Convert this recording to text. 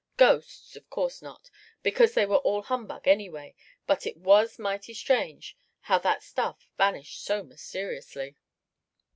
Ghosts of course not, because they were all humbug, anyway; but it was mighty strange how that stuff vanished so mysteriously.